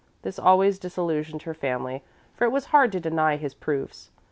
This always disillusioned her finally, for it was hard to deny his proofs.